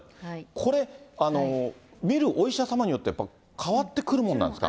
これ、診るお医者様によって変わってくるものなんですか。